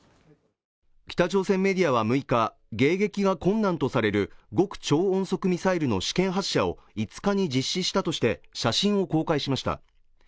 北朝鮮メディアは６日迎撃が困難とされる極超音速ミサイルの試験発射を５日に実施したとして写真を公開しました